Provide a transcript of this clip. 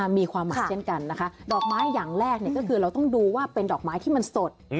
มีความหมายเช่นกันนะคะดอกไม้อย่างแรกก็คือเราต้องดูว่าเป็นดอกไม้ที่มันสด